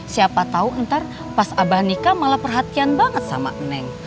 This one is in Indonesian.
siapa tahu nanti pas abah nikah malah perhatian banget sama neng